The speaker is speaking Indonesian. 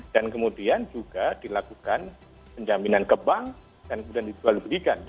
dan kemudian juga dilakukan penjaminan ke bank dan kemudian dijual belikan